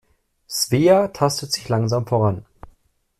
Svea tastet sich langsam voran.